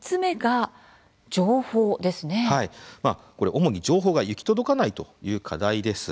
主に情報が行き届かないという課題です。